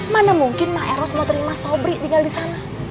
mana mungkin mbak eros mau terima sobri tinggal di sana